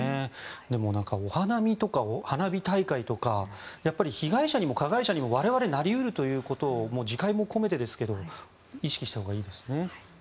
でもお花見とか花火大会とか被害者にも加害者にも我々なり得るということを自戒も込めてですけど意識したほうがいいですね。